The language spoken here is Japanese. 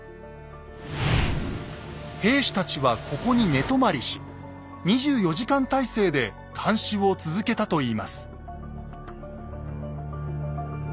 兵士たちはここに寝泊まりし２４時間体制で監視を続けたといいます。